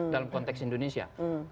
dalam konteks indonesia